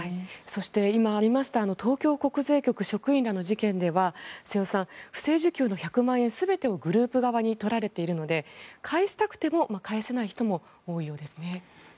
そして、今ありました東京国税局職員らの事件では瀬尾さん、不正受給の１００万円全てをグループ側に取られているので返したくても返せない人も多いようですね。